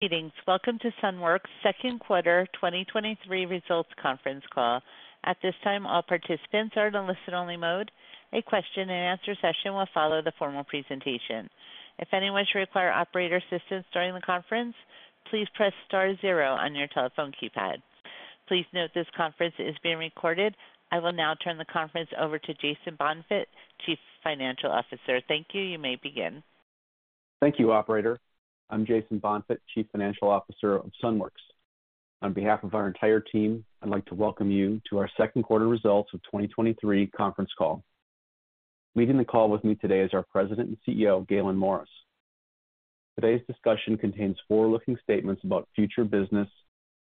Greetings. Welcome to Sunworks' second quarter 2023 results conference call. At this time, all participants are in listen-only mode. A question-and-answer session will follow the formal presentation. If anyone should require operator assistance during the conference, please press star zero on your telephone keypad. Please note this conference is being recorded. I will now turn the conference over to Jason Bonfigt, Chief Financial Officer. Thank you. You may begin. Thank you, operator. I'm Jason Bonfigt, Chief Financial Officer of Sunworks. On behalf of our entire team, I'd like to welcome you to our second quarter results of 2023 conference call. Leading the call with me today is our President and CEO, Gaylon Morris. Today's discussion contains forward-looking statements about future business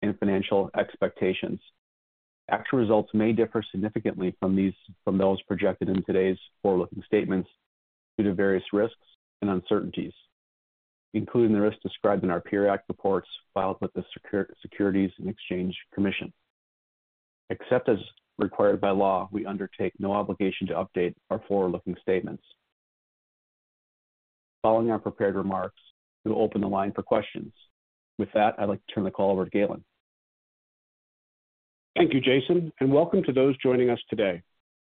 and financial expectations. Actual results may differ significantly from these, from those projected in today's forward-looking statements due to various risks and uncertainties, including the risks described in our periodic reports filed with the Securities and Exchange Commission. Except as required by law, we undertake no obligation to update our forward-looking statements. Following our prepared remarks, we'll open the line for questions. With that, I'd like to turn the call over to Gaylon. Thank you, Jason, and welcome to those joining us today.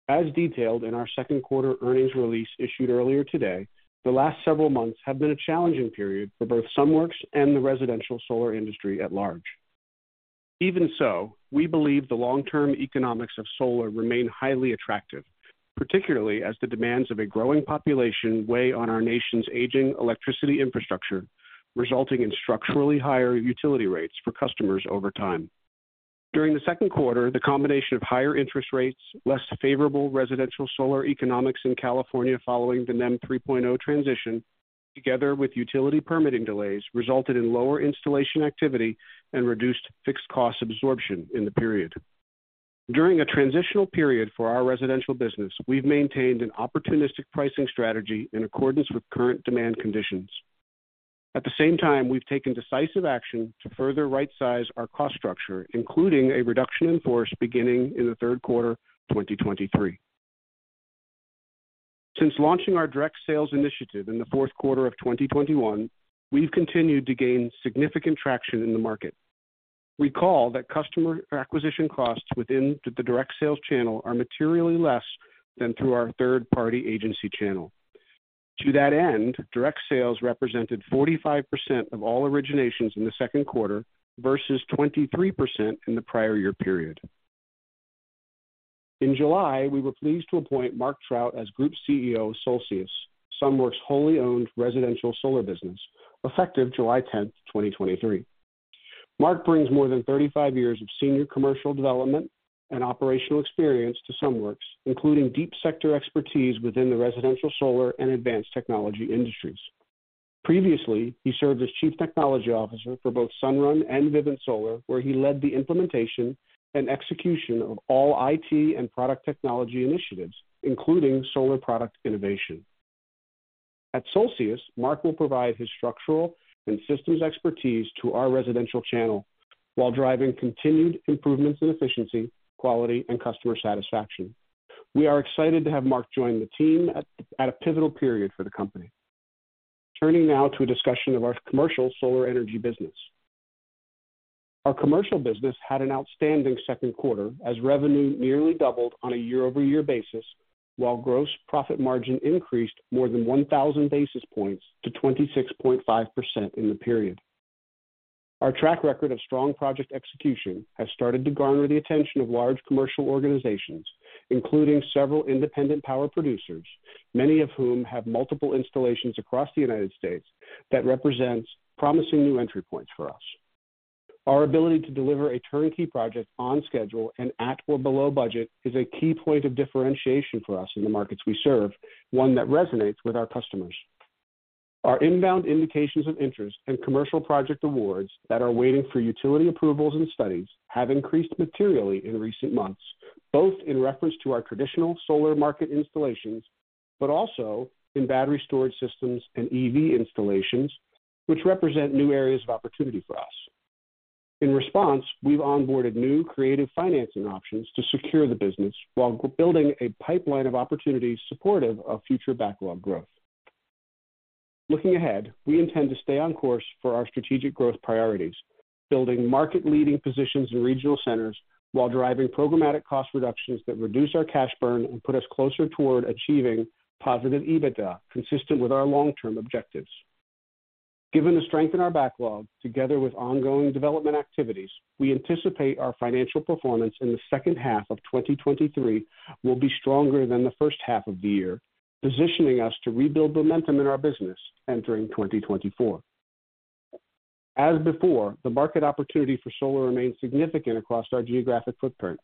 As detailed in our second quarter earnings release issued earlier today, the last several months have been a challenging period for both Sunworks and the residential solar industry at large. Even so, we believe the long-term economics of solar remain highly attractive, particularly as the demands of a growing population weigh on our nation's aging electricity infrastructure, resulting in structurally higher utility rates for customers over time. During the second quarter, the combination of higher interest rates, less favorable residential solar economics in California following the NEM 3.0 transition, together with utility permitting delays, resulted in lower installation activity and reduced fixed cost absorption in the period. During a transitional period for our residential business, we've maintained an opportunistic pricing strategy in accordance with current demand conditions. At the same time, we've taken decisive action to further right-size our cost structure, including a reduction in force beginning in the third quarter 2023. Since launching our direct sales initiative in the fourth quarter of 2021, we've continued to gain significant traction in the market. Recall that customer acquisition costs within the direct sales channel are materially less than through our third-party agency channel. To that end, direct sales represented 45% of all originations in the second quarter versus 23% in the prior year period. In July, we were pleased to appoint Mark Trout as Group CEO of Solcius, Sunworks' wholly owned residential solar business, effective July 10, 2023. Mark brings more than 35 years of senior commercial development and operational experience to Sunworks, including deep sector expertise within the residential, solar, and advanced technology industries. Previously, he served as Chief Technology Officer for both Sunrun and Vivint Solar, where he led the implementation and execution of all IT and product technology initiatives, including solar product innovation. At Solcius, Mark will provide his structural and systems expertise to our residential channel while driving continued improvements in efficiency, quality, and customer satisfaction. We are excited to have Mark join the team at a pivotal period for the company. Turning now to a discussion of our commercial solar energy business. Our commercial business had an outstanding second quarter as revenue nearly doubled on a year-over-year basis, while gross profit margin increased more than 1,000 basis points to 26.5% in the period. Our track record of strong project execution has started to garner the attention of large commercial organizations, including several independent power producers, many of whom have multiple installations across the United States, that represents promising new entry points for us. Our ability to deliver a turnkey project on schedule and at or below budget is a key point of differentiation for us in the markets we serve, one that resonates with our customers. Our inbound indications of interest and commercial project awards that are waiting for utility approvals and studies have increased materially in recent months, both in reference to our traditional solar market installations, but also in battery storage systems and EV installations, which represent new areas of opportunity for us. In response, we've onboarded new creative financing options to secure the business while building a pipeline of opportunities supportive of future backlog growth. Looking ahead, we intend to stay on course for our strategic growth priorities, building market-leading positions in regional centers while driving programmatic cost reductions that reduce our cash burn and put us closer toward achieving positive EBITDA, consistent with our long-term objectives. Given the strength in our backlog, together with ongoing development activities, we anticipate our financial performance in the second half of 2023 will be stronger than the first half of the year, positioning us to rebuild momentum in our business entering 2024. As before, the market opportunity for solar remains significant across our geographic footprint,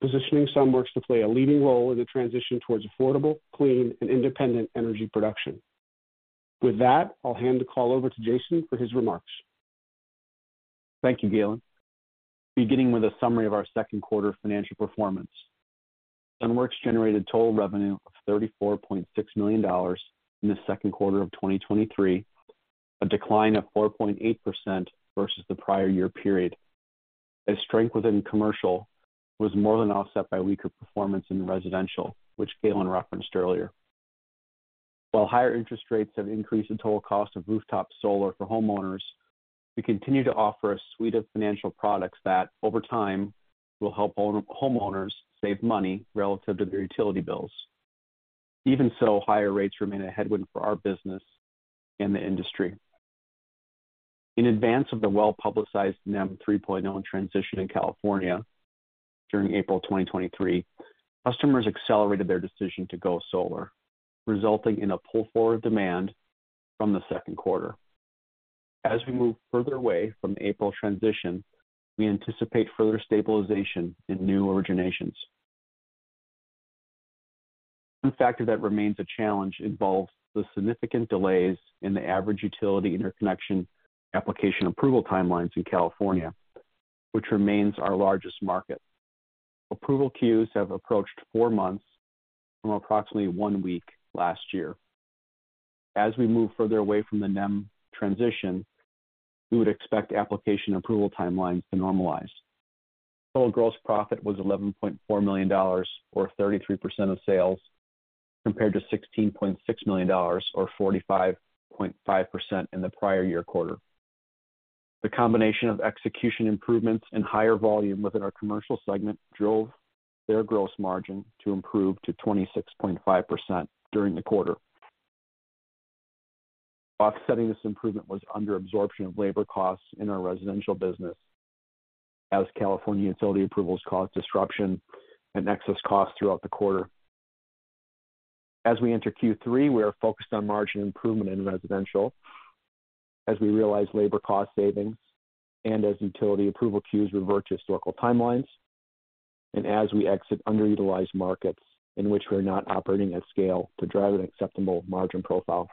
positioning Sunworks to play a leading role in the transition towards affordable, clean, and independent energy production. With that, I'll hand the call over to Jason for his remarks. Thank you, Gaylon. Beginning with a summary of our second quarter financial performance, Sunworks generated total revenue of $34.6 million in the second quarter of 2023, a decline of 4.8% versus the prior year period, as strength within commercial was more than offset by weaker performance in residential, which Gaylon referenced earlier. While higher interest rates have increased the total cost of rooftop solar for homeowners, we continue to offer a suite of financial products that, over time, will help homeowners save money relative to their utility bills. Even so, higher rates remain a headwind for our business and the industry. In advance of the well-publicized NEM 3.0 transition in California during April 2023, customers accelerated their decision to go solar, resulting in a pull-forward demand from the second quarter. As we move further away from the April transition, we anticipate further stabilization in new originations. One factor that remains a challenge involves the significant delays in the average utility interconnection application approval timelines in California, which remains our largest market. Approval queues have approached 4 months from approximately 1 week last year. As we move further away from the NEM transition, we would expect application approval timelines to normalize. Total gross profit was $11.4 million, or 33% of sales, compared to $16.6 million, or 45.5% in the prior year quarter. The combination of execution improvements and higher volume within our commercial segment drove their gross margin to improve to 26.5% during the quarter. Offsetting this improvement was under absorption of labor costs in our residential business as California utility approvals caused disruption and excess costs throughout the quarter. As we enter Q3, we are focused on margin improvement in residential as we realize labor cost savings and as utility approval queues revert to historical timelines and as we exit underutilized markets in which we are not operating at scale to drive an acceptable margin profile.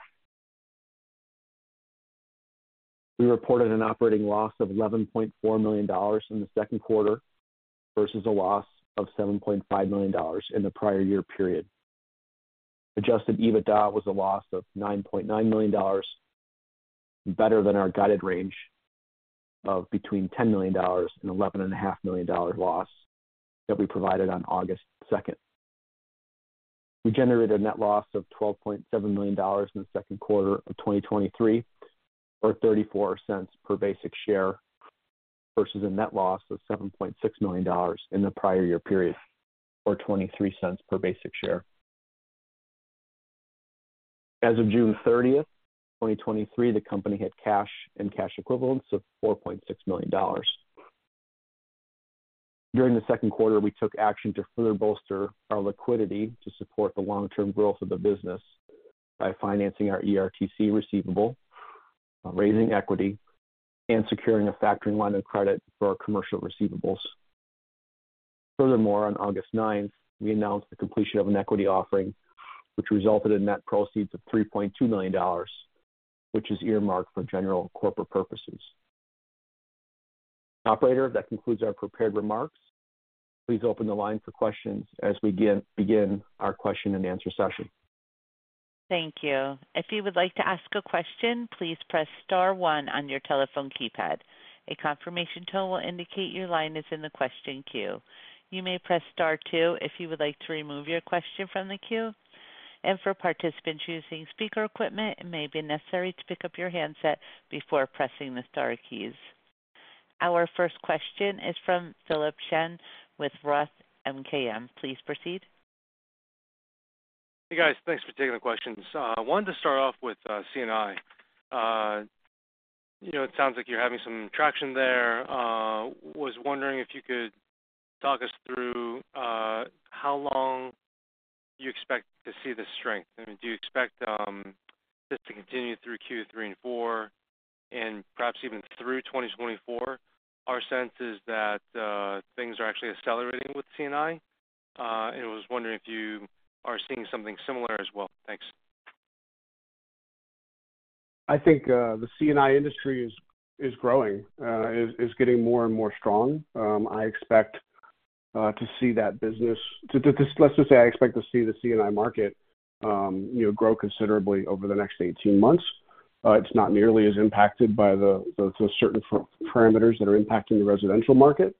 We reported an operating loss of $11.4 million in the second quarter, versus a loss of $7.5 million in the prior year period. Adjusted EBITDA was a loss of $9.9 million, better than our guided range of between a $10 million and $11.5 million loss that we provided on August 2. We generated a net loss of $12.7 million in the second quarter of 2023, or $0.34 per basic share, versus a net loss of $7.6 million in the prior year period, or $0.23 per basic share. As of June 30th, 2023, the company had cash and cash equivalents of $4.6 million. During the second quarter, we took action to further bolster our liquidity to support the long-term growth of the business by financing our ERTC receivable, raising equity, and securing a factoring line of credit for our commercial receivables. On August 9th, we announced the completion of an equity offering, which resulted in net proceeds of $3.2 million, which is earmarked for general corporate purposes. Operator, that concludes our prepared remarks. Please open the line for questions as we begin our question and answer session. Thank you. If you would like to ask a question, please press star one on your telephone keypad. A confirmation tone will indicate your line is in the question queue. You may press star two if you would like to remove your question from the queue. For participants using speaker equipment, it may be necessary to pick up your handset before pressing the star keys. Our first question is from Philip Shen with Roth MKM. Please proceed. Hey, guys. Thanks for taking the questions. I wanted to start off with C&I. You know, it sounds like you're having some traction there. Was wondering if you could talk us through how long you expect to see this strength. I mean, do you expect this to continue through Q3 and 4 and perhaps even through 2024? Our sense is that things are actually accelerating with C&I, and was wondering if you are seeing something similar as well. Thanks. I think the C&I industry is, is growing, is, is getting more and more strong. I expect to see that business let's just say I expect to see the C&I market, you know, grow considerably over the next 18 months. It's not nearly as impacted by the, the, certain parameters that are impacting the residential market.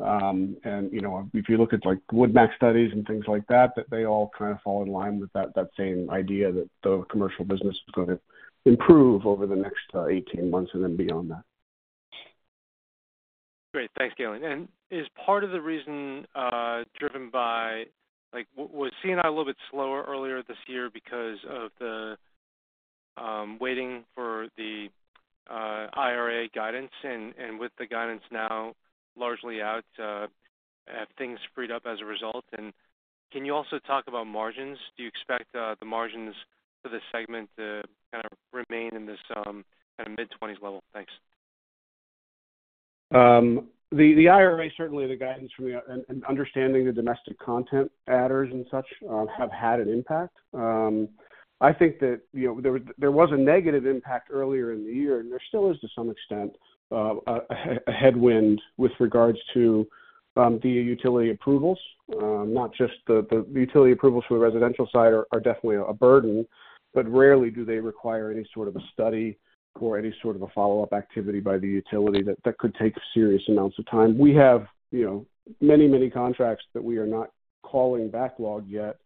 And, you know, if you look at, like, WoodMac studies and things like that, that they all kind of fall in line with that, that same idea that the commercial business is going to improve over the next 18 months and then beyond that. Great. Thanks, Gaylon. Is part of the reason, driven by, like, was C&I a little bit slower earlier this year because of the waiting for the IRA guidance, and with the guidance now largely out, have things freed up as a result? Can you also talk about margins? Do you expect the margins for this segment to kind of remain in this, kind of mid-20s level? Thanks. The, the IRA, certainly the guidance from the I- and understanding the domestic content adders and such, have had an impact. I think that, you know, there, there was a negative impact earlier in the year, and there still is to some extent, a headwind with regards to, the utility approvals. Not just the, the utility approvals for the residential side are, are definitely a burden, but rarely do they require any sort of a study or any sort of a follow-up activity by the utility that, that could take serious amounts of time. We have, you know, many, many contracts that we are not calling backlogged yet. ...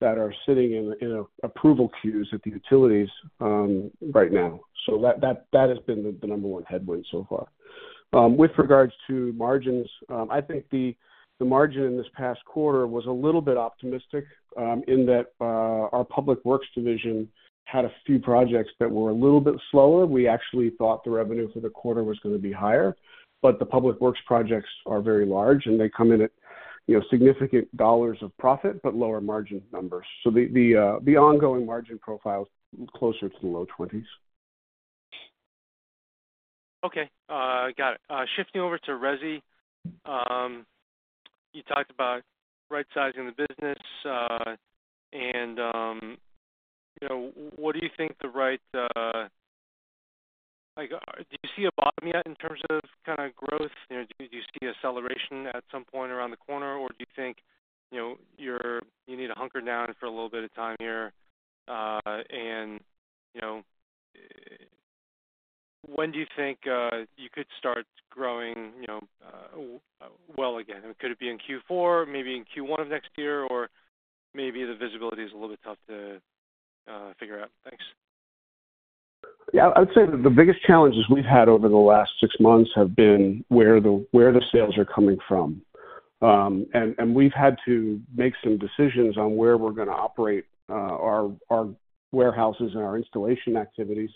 that are sitting in, in approval queues at the utilities, right now. That, that, that has been the number 1 headwind so far. With regards to margins, I think the, the margin in this past quarter was a little bit optimistic, in that, our public works division had a few projects that were a little bit slower. We actually thought the revenue for the quarter was going to be higher, but the public works projects are very large, and they come in at, you know, significant dollars of profit, but lower margin numbers. The, the, the ongoing margin profile is closer to the low 20s. Okay, got it. Shifting over to resi. You talked about right-sizing the business, and, you know, what do you think the right-- like, do you see a bottom yet in terms of kind of growth? You know, do you see acceleration at some point around the corner, or do you think, you know, you're-- you need to hunker down for a little bit of time here? And, you know, when do you think you could start growing, you know, well again? Could it be in Q4, maybe in Q1 of next year, or maybe the visibility is a little bit tough to figure out? Thanks. Yeah. I would say that the biggest challenges we've had over the last six months have been where the, where the sales are coming from. We've had to make some decisions on where we're going to operate, our, our warehouses and our installation activities,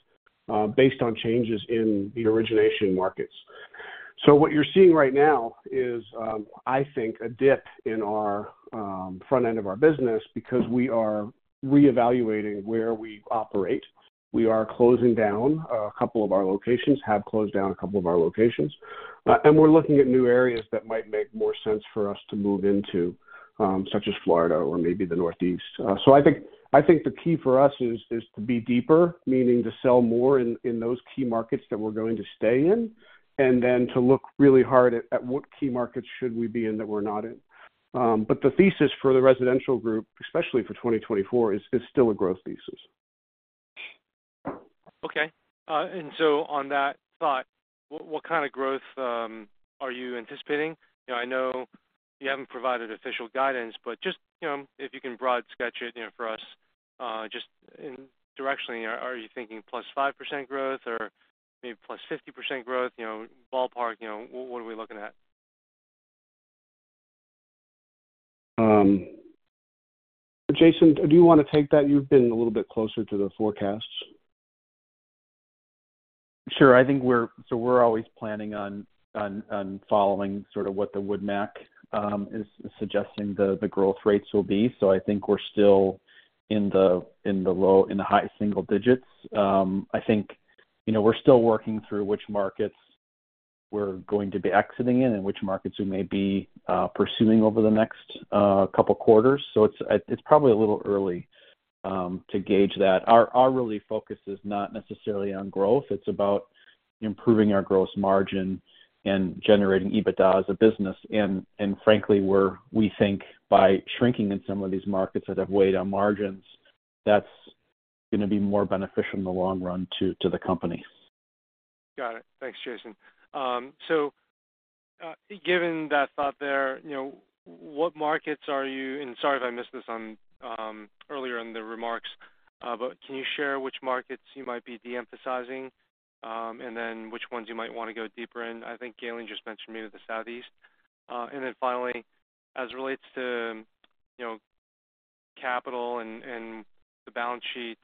based on changes in the origination markets. What you're seeing right now is, I think, a dip in our front end of our business because we are reevaluating where we operate. We are closing down a couple of our locations, have closed down a couple of our locations, and we're looking at new areas that might make more sense for us to move into, such as Florida or maybe the Northeast. I think, I think the key for us is, is to be deeper, meaning to sell more in, in those key markets that we're going to stay in, and then to look really hard at, at what key markets should we be in that we're not in. The thesis for the residential group, especially for 2024, is still a growth thesis. Okay. On that thought, what kind of growth are you anticipating? I know you haven't provided official guidance, but just, you know, if you can broad sketch it, you know, for us, just directionally, are you thinking +5% growth or maybe +50% growth? You know, ballpark, you know, what are we looking at? Jason, do you want to take that? You've been a little bit closer to the forecasts. Sure. I think we're so we're always planning on, on, on following sort of what the WoodMac is suggesting the, the growth rates will be. I think we're still in the, in the low in the high single digits. I think, you know, we're still working through which markets we're going to be exiting in and which markets we may be pursuing over the next couple quarters. It's, it's probably a little early to gauge that. Our, our really focus is not necessarily on growth. It's about improving our gross margin and generating EBITDA as a business. Frankly, we think by shrinking in some of these markets that have weighed on margins, that's going to be more beneficial in the long run to, to the company. Got it. Thanks, Jason. Given that thought there, you know, what markets are you-- and sorry if I missed this on earlier in the remarks, but can you share which markets you might be de-emphasizing, and then which ones you might want to go deeper in? I think Gaylon just mentioned maybe the Southeast. Finally, as it relates to, you know, capital and the balance sheet,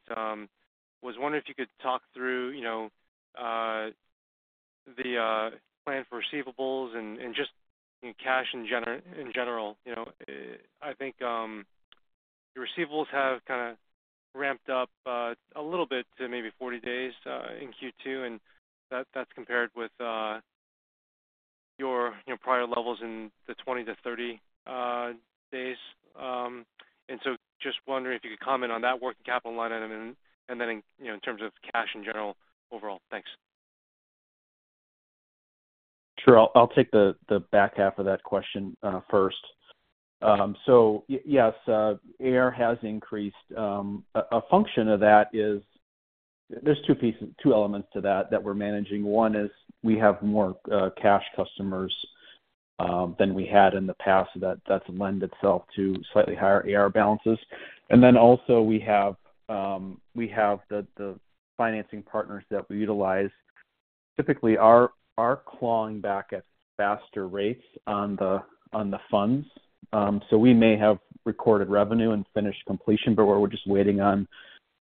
was wondering if you could talk through, you know, the plan for receivables and just in cash in general, you know. I think the receivables have kind of ramped up a little bit to maybe 40 days in Q2, and that's compared with your, you know, prior levels in the 20-30 days. Just wondering if you could comment on that working capital line item, and then, you know, in terms of cash in general, overall? Thanks. Sure. I'll take the, the back half of that question first. Yes, AR has increased. A function of that is there's two pieces, two elements to that, that we're managing. One is we have more cash customers than we had in the past. That, that's lend itself to slightly higher AR balances. Then also we have, we have the, the financing partners that we utilize. Typically, are, are clawing back at faster rates on the, on the funds. We may have recorded revenue and finished completion, but where we're just waiting on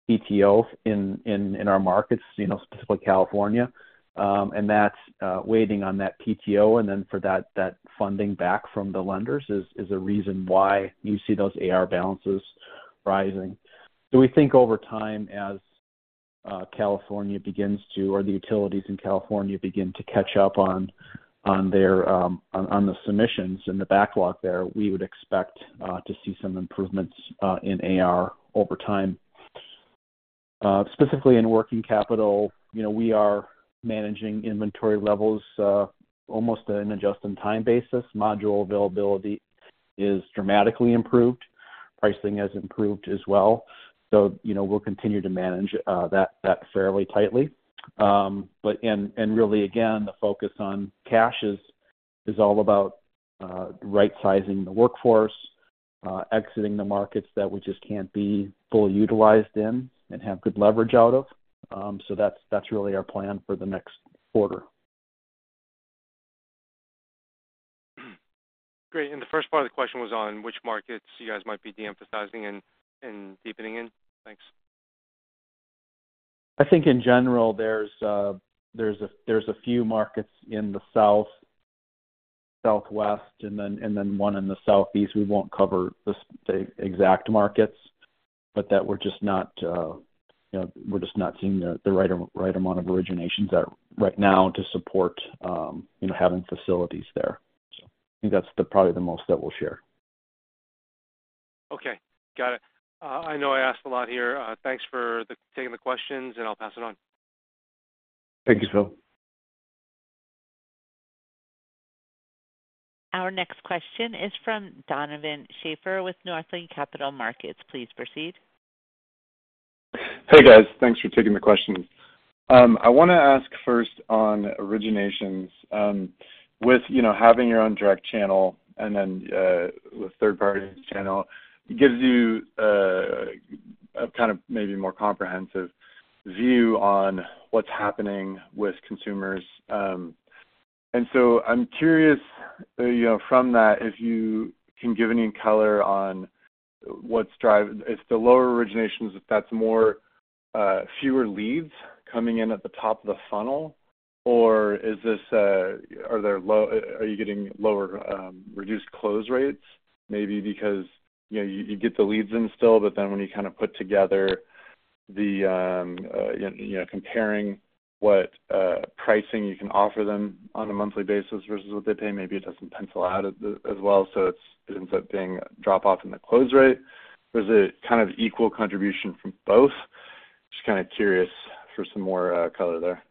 PTO in, in, in our markets, you know, specifically California, and that's waiting on that PTO and then for that, that funding back from the lenders is, is a reason why you see those AR balances rising. We think over time, as California begins to, or the utilities in California begin to catch up on, on their, on the submissions and the backlog there, we would expect to see some improvements in AR over time. Specifically in working capital, you know, we are managing inventory levels almost in an just-in-time basis. Module availability is dramatically improved. Pricing has improved as well. You know, we'll continue to manage that, that fairly tightly. And really, again, the focus on cash is all about right-sizing the workforce, exiting the markets that we just can't be fully utilized in and have good leverage out of. That's, that's really our plan for the next quarter. Great. The first part of the question was on which markets you guys might be de-emphasizing and, and deepening in? Thanks. I think in general, there's a, there's a, there's a few markets in the South, Southwest, and then, and then one in the Southeast. We won't cover the the exact markets, but that we're just not, you know, we're just not seeing the, the right right amount of originations that right now to support, you know, having facilities there. I think that's the probably the most that we'll share. Okay, got it. I know I asked a lot here. Thanks for taking the questions, and I'll pass it on. Thank you, Phil. Our next question is from Donovan Schafer with Northland Capital Markets. Please proceed. Hey, guys. Thanks for taking the questions. I want to ask first on originations. With, you know, having your own direct channel and then with third-party channel, gives you a kind of maybe more comprehensive view on what's happening with consumers. I'm curious, you know, from that, if you can give any color on what's drive- if the lower originations, if that's more, fewer leads coming in at the top of the funnel, or is this, are you getting lower, reduced close rates? Maybe because, you know, you get the leads in still, but then when you kind of put together the, you know, comparing what pricing you can offer them on a monthly basis versus what they pay, maybe it doesn't pencil out as well, so it ends up being a drop off in the close rate. Is it kind of equal contribution from both? Just kind of curious for some more color there.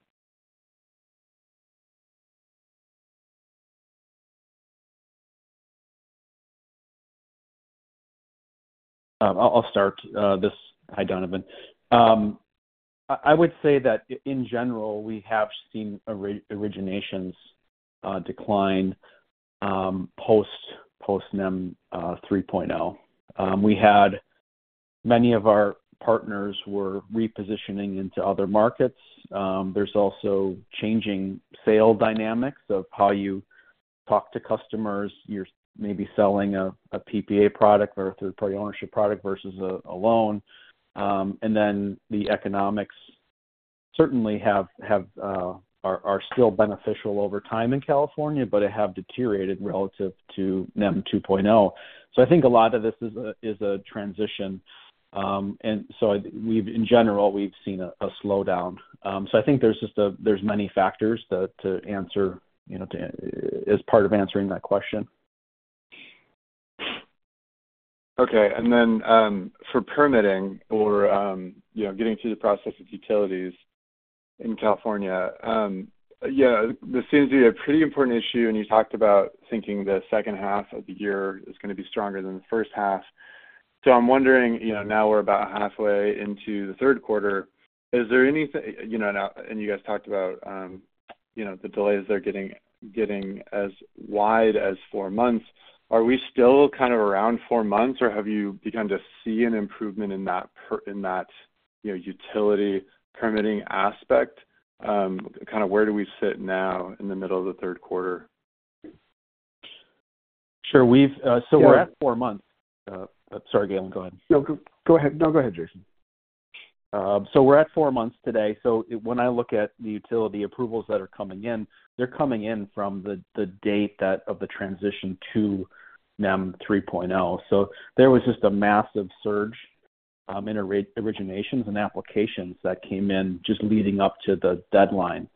I'll, I'll start this. Hi, Donovan. I, I would say that in general, we have seen originations decline post NEM 3.0. We had many of our partners were repositioning into other markets. There's also changing sale dynamics of how you talk to customers. You're maybe selling a PPA product or a third-party ownership product versus a loan. And then the economics certainly have, are still beneficial over time in California, but it have deteriorated relative to NEM 2.0. I think a lot of this is a transition, and so we've in general, we've seen a slowdown. I think there's just there's many factors to answer, you know, as part of answering that question. Okay. Then, for permitting or, you know, getting through the process of utilities in California, yeah, this seems to be a pretty important issue, and you talked about thinking the second half of the year is going to be stronger than the first half. I'm wondering, you know, now we're about halfway into the third quarter, is there anything... You know, now, you guys talked about, you know, the delays are getting, getting as wide as 4 months. Are we still kind of around 4 months, or have you begun to see an improvement in that in that, you know, utility permitting aspect? Kind of where do we sit now in the middle of the third quarter? Sure. We're at 4 months. Sorry, Gaylon, go ahead. No, go ahead. No, go ahead, Jason. We're at 4 months today. When I look at the utility approvals that are coming in, they're coming in from the, the date that of the transition to NEM 3.0. There was just a massive surge in originations and applications that came in just leading up to the deadline.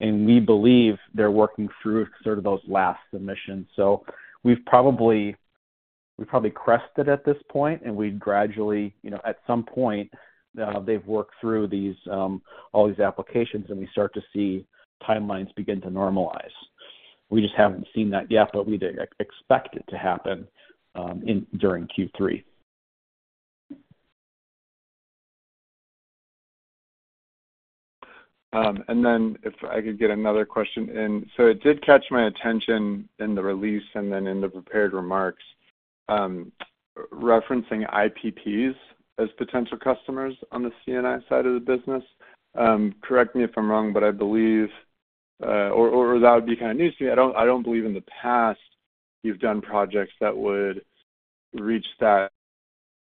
We believe they're working through sort of those last submissions. We've probably, we've probably crested at this point, and we gradually, you know, at some point, they've worked through these all these applications, and we start to see timelines begin to normalize. We just haven't seen that yet, but we expect it to happen in during Q3. If I could get another question in. It did catch my attention in the release and then in the prepared remarks, referencing IPPs as potential customers on the C&I side of the business. Correct me if I'm wrong, but I believe that would be kind of news to me. I don't, I don't believe in the past you've done projects that would reach that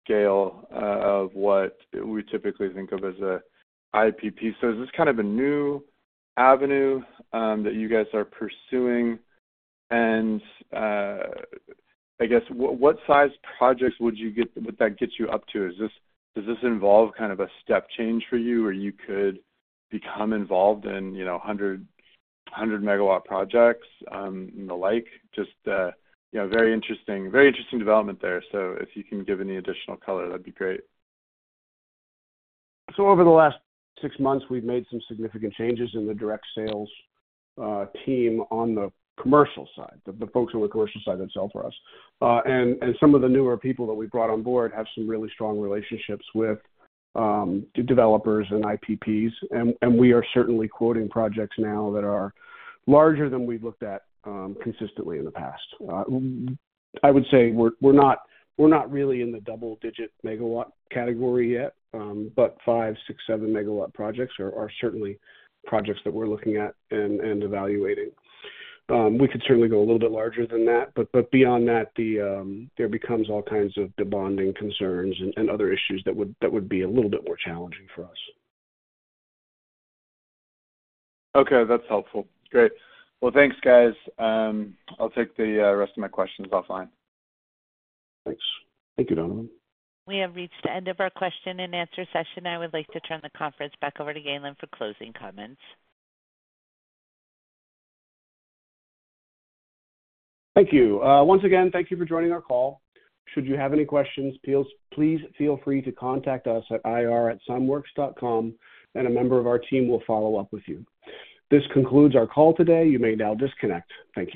scale of what we typically think of as a IPP. Is this kind of a new avenue that you guys are pursuing? I guess what size projects would that get you up to? Does this involve kind of a step change for you, where you could become involved in, you know, 100, 100-megawatt projects and the like? Just, you know, very interesting, very interesting development there. If you can give any additional color, that'd be great. Over the last six months, we've made some significant changes in the direct sales team on the commercial side, the, the folks on the commercial side that sell for us. And some of the newer people that we brought on board have some really strong relationships with developers and IPPs, and, and we are certainly quoting projects now that are larger than we've looked at consistently in the past. I would say we're, we're not, we're not really in the double-digit megawatt category yet, but five, six, seven megawatt projects are, are certainly projects that we're looking at and, and evaluating. We could certainly go a little bit larger than that, but, but beyond that, the there becomes all kinds of bonding concerns and, and other issues that would, that would be a little bit more challenging for us. Okay, that's helpful. Great. Well, thanks, guys. I'll take the rest of my questions offline. Thanks. Thank you, Donovan. We have reached the end of our question and answer session. I would like to turn the conference back over to Gaylon for closing comments. Thank you. Once again, thank you for joining our call. Should you have any questions, please, please feel free to contact us at ir@sunworks.com, and a member of our team will follow up with you. This concludes our call today. You may now disconnect. Thank you.